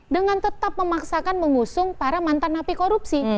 dengan tetap memaksakan mengusung para mantan napi korupsi